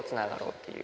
っていう。